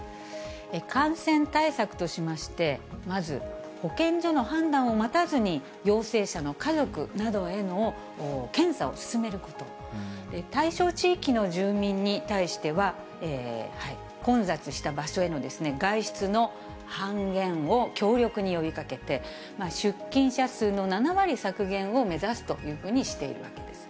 感染対策としまして、まず、保健所の判断を待たずに、陽性者の家族などへの検査を進めること、対象地域の住民に対しては、混雑した場所への外出の半減を強力に呼びかけて、出勤者数の７割削減を目指すというふうにしているわけです。